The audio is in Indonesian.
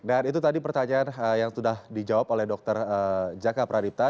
dan itu tadi pertanyaan yang sudah dijawab oleh dokter jaka pradipta